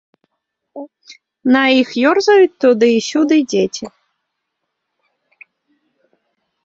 На іх ёрзаюць туды і сюды дзеці.